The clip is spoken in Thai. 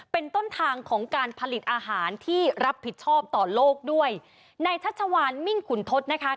เป็นต้นทางของการผลิตอาหารที่รับผิดชอบต่อโลกด้วยในชัชวานมิ่งขุนทศนะคะ